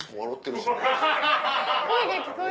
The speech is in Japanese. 声が聞こえる。